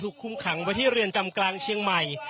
ถูกคุมขังวันที่เรือนจำกลางเชียงไหม